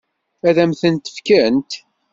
Ad m-tent-fkent?